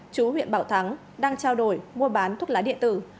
chú huyện bảo thắng đang trao đổi mua bán thuốc lá điện tử